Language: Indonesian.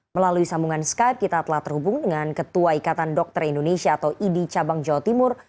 melalui sambungan skype kita telah terhubung dengan ketua ikatan dokter indonesia atau idi cabang jawa timur